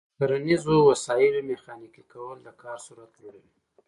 د کرنیزو وسایلو میخانیکي کول د کار سرعت لوړوي.